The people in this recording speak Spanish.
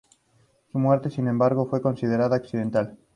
Su muerte, sin embargo, fue considerada accidental.